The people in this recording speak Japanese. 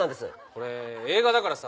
これ映画だからさ。